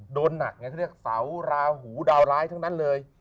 โดนหนักไงเขาเรียกเสาราหูดาวร้ายทั้งนั้นเลย